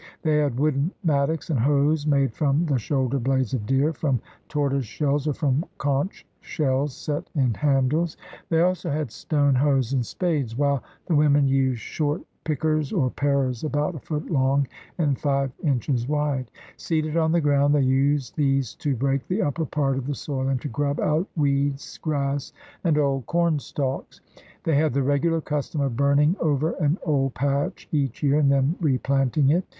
They had wooden mat tocks and hoes made from the shoulder blades of deer, from tortoise shells, or from conch shells set in handles. They also had stone hoes and spades. 164 THE RED MAN'S CONTINENT while the women used short pickers or parers about a foot long and five inches wide. Seated on the ground they used these to break the upper part of the soil and to grub out weeds, grass, and old corn stalks. They had the regular custom of burning over an old patch each year and then replanting it.